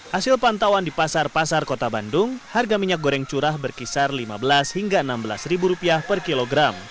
hasil pantauan di pasar pasar kota bandung harga minyak goreng curah berkisar lima belas hingga rp enam belas per kilogram